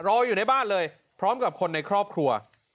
อยู่ในบ้านเลยพร้อมกับคนในครอบครัว